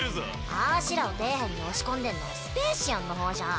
あしらを底辺に押し込んでんのはスペーシアンの方じゃん。